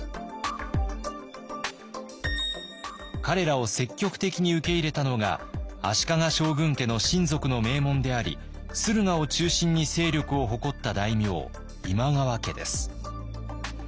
彼らを積極的に受け入れたのが足利将軍家の親族の名門であり駿河を中心に勢力を誇った大名今川家です。